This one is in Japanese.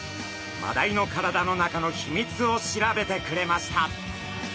マダイの体の中の秘密を調べてくれました。